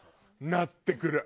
なってくる。